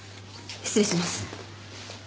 失礼します。